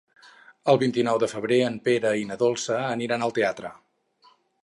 El vint-i-nou de febrer en Pere i na Dolça aniran al teatre.